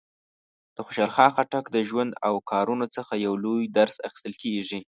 د خوشحال خان خټک د ژوند او کارونو څخه یو لوی درس اخیستل کېږي.